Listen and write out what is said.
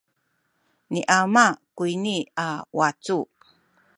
ni ama kuyni a wacu.